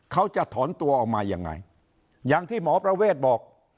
เขาจะถอนตัวออกมายังไงอย่างที่หมอประเวทบอก